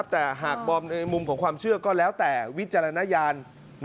แต่หากมุมของความเชื่อก็แล้วแต่วิจันยาล